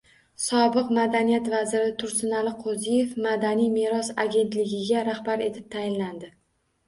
Sobiq madaniyat vaziri Tursunali Qo‘ziyev Madaniy meros agentligiga rahbar etib tayinlandi